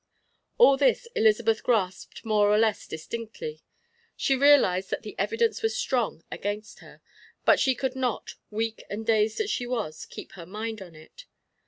All this Elizabeth grasped more or less distinctly. She realized that the evidence was strong against her. But she could not, weak and dazed as she was, keep her mind on it.